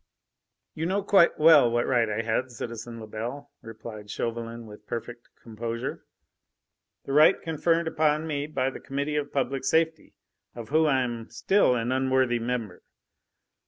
"You know quite well what right I had, citizen Lebel," replied Chauvelin with perfect composure. "The right conferred upon me by the Committee of Public Safety, of whom I am still an unworthy member.